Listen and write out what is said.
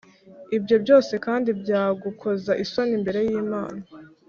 Ibyo byose kandi byagukoza isoni imbere y’Imana,